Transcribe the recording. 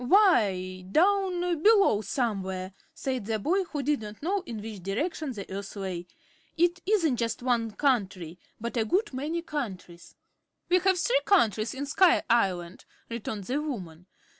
"Why, down below, somewhere," said the boy, who did not know in which direction the Earth lay. "It isn't just one country, but a good many countries." "We have three countries in Sky Island," returned the woman.